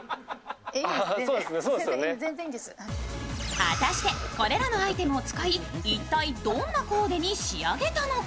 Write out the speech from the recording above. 果たしてこれらのアイテムを使い一体どんなコーデに仕上げたのか。